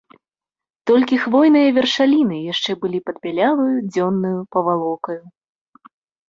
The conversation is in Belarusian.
Толькі хвойныя вяршаліны яшчэ былі пад бяляваю дзённаю павалокаю.